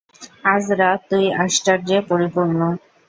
আজ রাত তুই আশ্চার্যে পরিপূর্ণ।